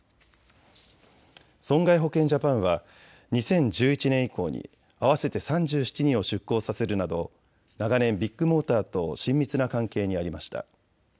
損害保険ジャパンは２０１１年以降に合わせて３７人を出向させるなど長年、ビッグモーターと親密な関係にありました。